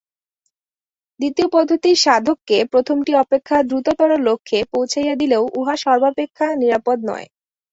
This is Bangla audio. দ্বিতীয় পদ্ধতির সাধককে প্রথমটি অপেক্ষা দ্রুততর লক্ষ্যে পৌঁছাইয়া দিলেও উহা সর্বাপেক্ষা নিরাপদ নয়।